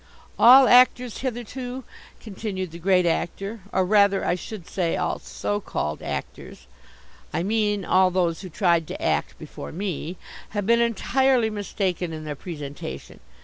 "All actors hitherto," continued the Great Actor, "or rather, I should say, all so called actors I mean all those who tried to act before me have been entirely mistaken in their presentation.